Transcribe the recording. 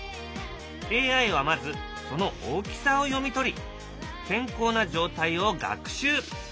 ＡＩはまずその大きさを読み取り健康な状態を学習。